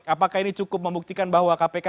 apakah ini cukup membuktikan bahwa kpk